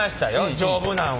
丈夫なんは。